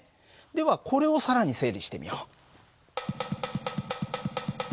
ではこれを更に整理してみよう。